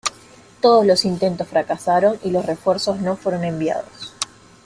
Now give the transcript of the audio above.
Todos los intentos fracasaron y los refuerzos no fueron enviados.